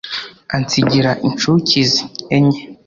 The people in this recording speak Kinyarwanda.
ansigira inshuke izi, enye”.